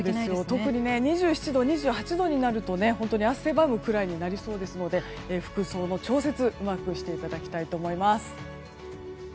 特に２７度、２８度になると汗ばむくらいになりそうですので服装の調節をうまくしていただきたいと思います。